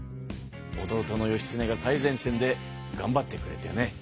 弟の義経が最前線でがんばってくれてね